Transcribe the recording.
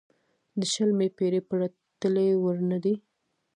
د شلمې پېړۍ پرتلې وړ نه دی.